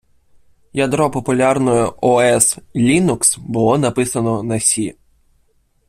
Ядро популярної ОС Linux було написане на Сі.